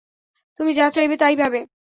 তুমি যা চাইবে তাই পাবে।